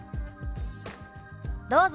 どうぞ！